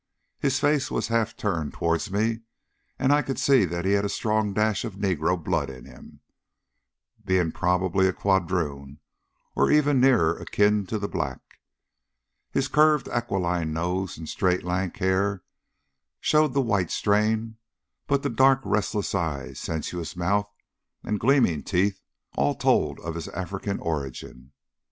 His face was turned half towards me, and I could see that he had a strong dash of negro blood in him, being probably a quadroon or even nearer akin to the black. His curved aquiline nose and straight lank hair showed the white strain; but the dark restless eye, sensuous mouth, and gleaming teeth all told of his African origin.